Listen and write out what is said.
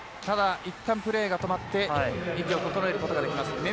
ただ、いったんプレーが止まって息を整えることができます。